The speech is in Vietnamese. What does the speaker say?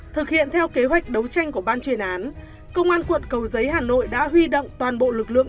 thực hiện theo kế hoạch đấu tranh của ban truyền án công an quận cầu giấy hà nội đã huy động toàn bộ lực lượng